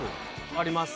あります